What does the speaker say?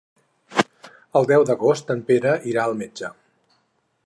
El deu d'agost en Pere irà al metge.